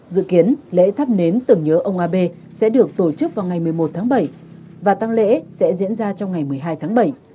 dự kiến lễ thắp nến tưởng nhớ ông abe sẽ được tổ chức vào ngày một mươi một tháng bảy và tăng lễ sẽ diễn ra trong ngày một mươi hai tháng bảy